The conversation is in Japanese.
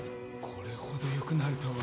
これほど良くなるとは。